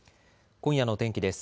今夜の天気です。